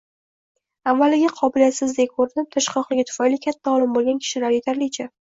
Avvaliga qobiliyatsizdek ko‘rinib, tirishqoqligi tufayli katta olim bo‘lgan kishilar yetarlicha.